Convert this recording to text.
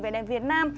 về đèn việt nam